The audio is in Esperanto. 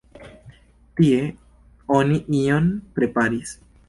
Tie oni ion preparis.